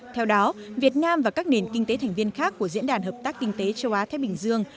theo đó việt nam và các nền kinh tế thành viên khác của diễn đàn hợp tác kinh tế châu á thái bình dương